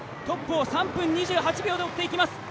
トップを３分２８秒で追っていきます